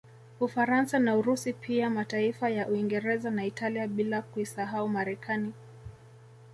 Ufaransa na Urusi pia mataifa ya Uingereza na Italia bila kuisahau Marekani